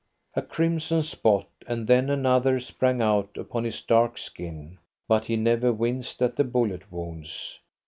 A crimson spot, and then another, sprang out upon his dark skin, but he never winced at the bullet wounds.